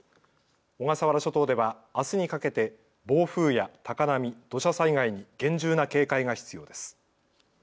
小笠原諸島ではあすにかけて暴風や高波、土砂災害に厳重な警戒が必要です。